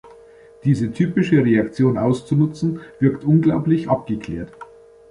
Diese typische Reaktion auszunutzen, wirkt unglaublich abgeklärt.